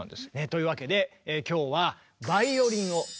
というわけで今日は「バイオリン」をテーマに。